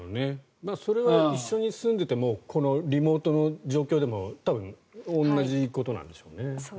それは一緒に住んでいてもこのリモートの状況でも多分同じことなんでしょうね。